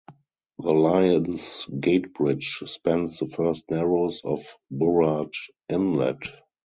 The Lions' Gate Bridge spans the first narrows of Burrard Inlet.